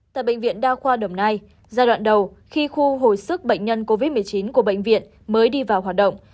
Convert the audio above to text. tại bệnh viện đa khoa đồng nai giai đoạn đầu khi khu hồi sức bệnh nhân covid một mươi chín của bệnh viện mới đi vào hoạt động